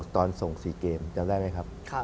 ตอนส่ง๔เกมจำได้ไหมครับ